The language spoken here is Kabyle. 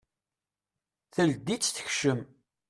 Teldi-tt tekcem.